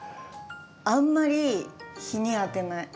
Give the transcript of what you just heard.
あんまり日に当てない。